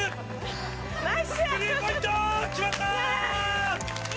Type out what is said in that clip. スリーポイント、決まった！